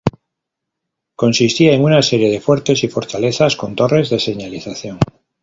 Consistía en una serie de fuertes y fortalezas con torres de señalización.